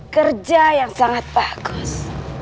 kerja yang sangat bagus